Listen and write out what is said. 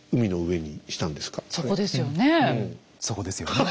そこですよね。